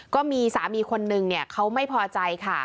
ก็มีสามีคนนึงเขาไม่พอใจค่ะ